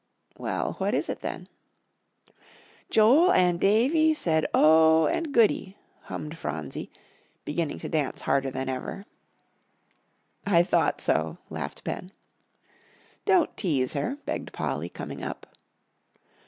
"Well, what is it then?" "Joel and Davie said 'O oh' and 'Goody'!" hummed Phronsie, beginning to dance harder than ever. "I thought so," laughed Ben. "Don't tease her," begged Polly, coming up.